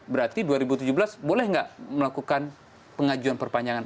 berarti dua ribu tujuh belas boleh nggak melakukan pengajuan perpanjangan